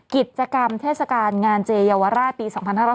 กิจกรรมเทศกาลงานเจเยาวราชปี๒๕๕๙